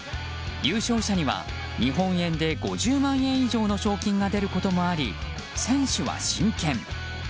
優勝者には日本円で５０万円以上の賞金が出ることもあり選手は真剣。